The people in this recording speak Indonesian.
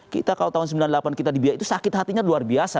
kalau tahun sembilan puluh delapan kita dibiayai itu sakit hatinya luar biasa